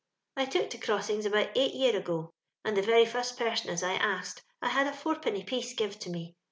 I took to crossings aboat eight year ago, and the very fast person as I asked, 1 bad a fourpenny piece givo to me.